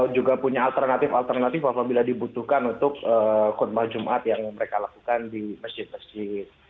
juga punya alternatif alternatif apabila dibutuhkan untuk khutbah jumat yang mereka lakukan di masjid masjid